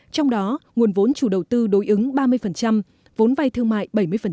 trong đó nguồn vốn chủ đầu tư đối ứng ba mươi vốn vay thương mại bảy mươi